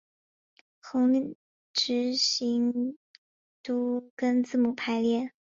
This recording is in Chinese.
横直行都跟字母排列。